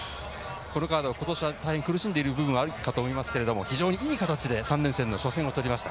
このカード、今年は苦しんでるところはあると思いますが、いい形で３連戦の初戦を取りました。